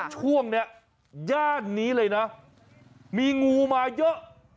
ช่วงนี้ย่านนี้มีงูมาเยอะ